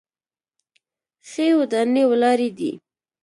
ښې ودانۍ ولاړې دي.